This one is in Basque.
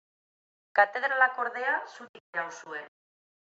Katedralak ordea zutik iraun zuen.